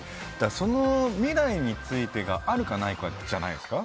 その未来についてがあるかないかじゃないですか。